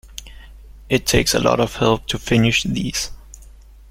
It takes a lot of help to finish these.